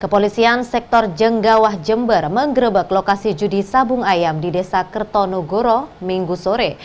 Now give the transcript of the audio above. kepolisian sektor jenggawah jember menggerebek lokasi judi sabung ayam di desa kertonogoro minggu sore